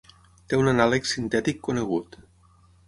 Té un anàleg sintètic conegut.